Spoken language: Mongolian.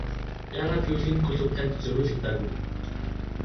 Яагаад гэвэл энэ клуб танд зориулагдаагүй.